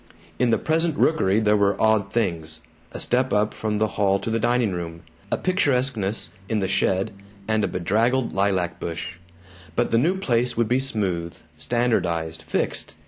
In the present rookery there were odd things a step up from the hall to the dining room, a picturesqueness in the shed and bedraggled lilac bush. But the new place would be smooth, standardized, fixed.